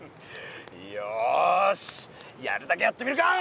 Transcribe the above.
よしやるだけやってみるか！